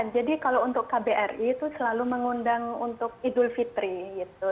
jadi kalau untuk kbri itu selalu mengundang untuk idul fitri gitu